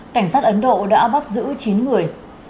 cảnh sát ấn độ đã bắt giữ chín người